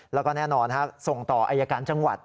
แล้วก็แน่นอนส่งต่ออายการจังหวัด